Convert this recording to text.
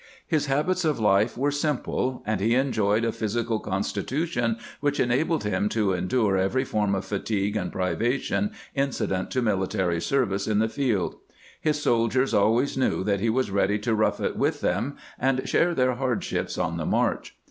His habits of life were simple, and he enjoyed a phys ical constitution which enabled him to endure every form of fatigue and privation incident to military ser vice in the field. His soldiers always knew that he was ready to rough it with them and share their hardships on the march.